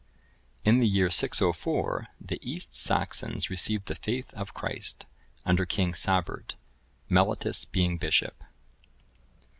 [I, 34.] In the year 604, the East Saxons received the faith of Christ, under King Sabert, Mellitus being bishop.